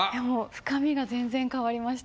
深みが全然変わりました。